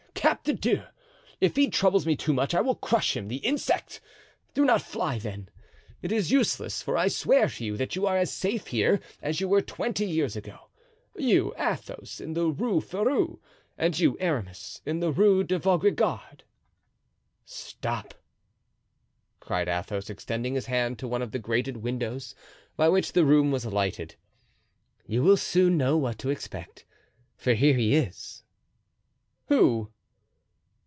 "Cap de Diou! if he troubles me too much I will crush him, the insect! Do not fly, then. It is useless; for I swear to you that you are as safe here as you were twenty years, ago—you, Athos, in the Rue Ferou, and you, Aramis, in the Rue de Vaugirard." "Stop," cried Athos, extending his hand to one of the grated windows by which the room was lighted; "you will soon know what to expect, for here he is." "Who?"